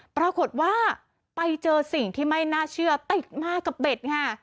ปรากฏว่าไปเจอสิ่งที่ไม่น่าเชื่อติดมากกับเบ็ดค่ะ